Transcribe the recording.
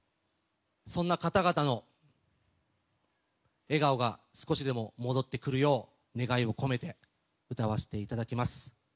そんな方々の笑顔が少しでも戻ってくるよう願いを込めて歌わせていただきます。